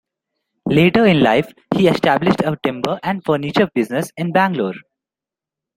Later in life, he established a timber and furniture business in Bangalore.